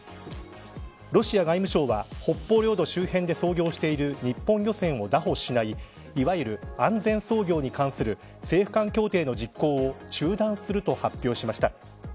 ロシア外務省は北方領土周辺で操業している日本漁船を拿捕しないいわゆる安全操業に関する政府間協定の実行を中断すると発表しました。